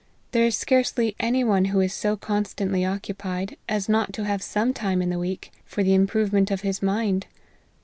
There is scarcely any one who is so constantly occupied, as not to have some time in the week, for the improvement of his mind.